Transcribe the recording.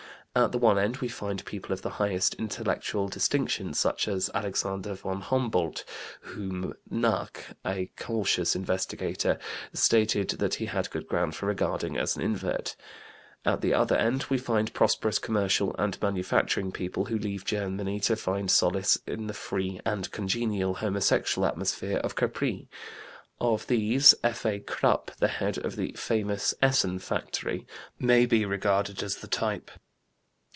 At the one end we find people of the highest intellectual distinction, such as Alexander von Humboldt, whom Näcke, a cautious investigator, stated that he had good ground for regarding as an invert. At the other end we find prosperous commercial and manufacturing people who leave Germany to find solace in the free and congenial homosexual atmosphere of Capri; of these F.A. Krupp, the head of the famous Essen factory, may be regarded as the type.